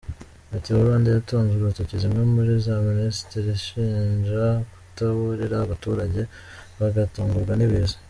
Meteo Rwanda yatunze urutoki zimwe muri za Minisiteri izishinja kutaburira abaturage bagatungurwa n’ibiza.